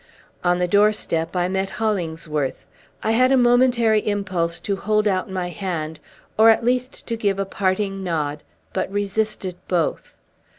On the doorstep I met Hollingsworth. I had a momentary impulse to hold out my hand, or at least to give a parting nod, but resisted both.